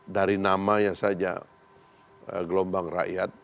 dari namanya saja gelombang rakyat